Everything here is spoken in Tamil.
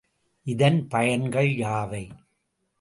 இதன் பயன்கள் யாவை?